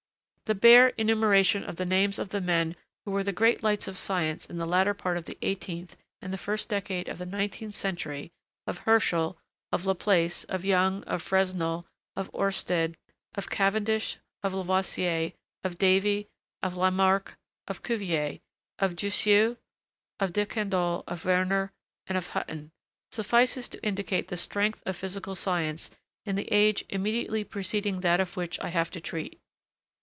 The bare enumeration of the names of the men who were the great lights of science in the latter part of the eighteenth and the first decade of the nineteenth century, of Herschel, of Laplace, of Young, of Fresnel, of Oersted, of Cavendish, of Lavoisier, of Davy, of Lamarck, of Cuvier, of Jussieu, of Decandolle, of Werner and of Hutton, suffices to indicate the strength of physical science in the age immediately preceding that of which I have to treat.